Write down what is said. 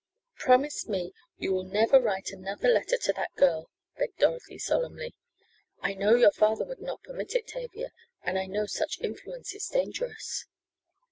"Promise me you will never write another letter to that girl," begged Dorothy, solemnly. "I know your father would not permit it Tavia, and I know such influence is dangerous."